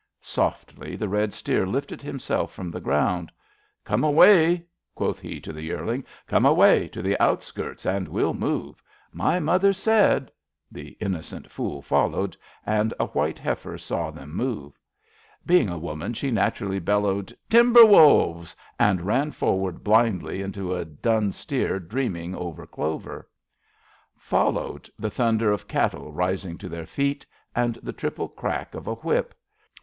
'' Softly the red steer lifted himself from the ground. Come away," quoth he to the yearling. Come away to the outskirts, and we'll move. My mother said ..." The innocent fool followed, and a white heifer saw them move. Being a woman she naturally bellowed Timber wolves!" and ran forward blindly into a dun steer dreaming over clover. 52 ABAFT THE FUNNEL Followed the thunder of cattle rising to their feet, and the triple crack of a whip.